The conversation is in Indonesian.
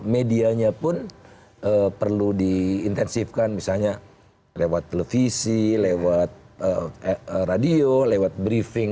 medianya pun perlu diintensifkan misalnya lewat televisi lewat radio lewat briefing